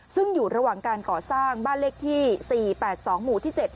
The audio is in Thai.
ซึ่งอยู่ระหว่างการก่อสร้างบ้านเลขที่๔๘๒หมู่ที่๗